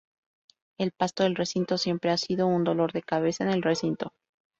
El pasto del recinto siempre ha sido un dolor de cabeza en el recinto.